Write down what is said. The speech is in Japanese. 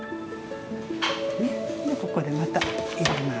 もうここでまたいれます。